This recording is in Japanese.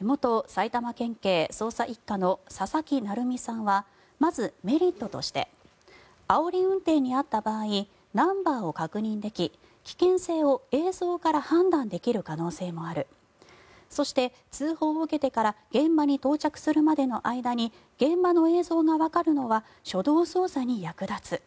元埼玉県警捜査１課の佐々木成三さんはまずメリットとしてあおり運転に遭った場合ナンバーを確認でき、危険性を映像から判断できる可能性もあるそして通報を受けてから現場に到着するまでの間に現場の映像がわかるのは初動捜査に役立つ。